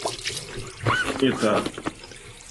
Он је та.